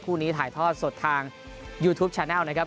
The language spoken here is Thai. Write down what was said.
คู่นี้ถ่ายทอดสดทางยูทูปแชนัลนะครับ